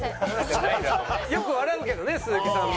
よく笑うけどね鈴木さんも。